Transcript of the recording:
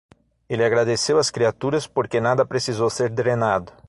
Ele agradeceu às criaturas, porque nada precisou ser drenado.